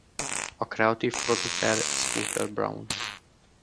A kreatív producer Scooter Braun.